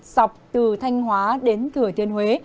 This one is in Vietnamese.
dọc từ thanh hóa đến thừa thiên huế